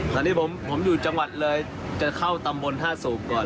ตอนนี้ผมอยู่จังหวัดเลยจะเข้าตำบลท่าสูบก่อน